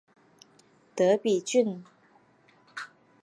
德比郡。